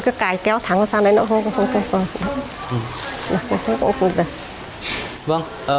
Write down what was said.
cái cái kéo thẳng sang đây nữa